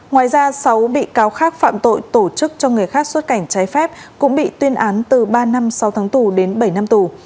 ngoài ra sáu bị cáo khác phạm tội tổ chức cho người khác xuất cảnh trái phép cũng bị tuyên án từ ba năm sáu tháng tù đến bảy năm tù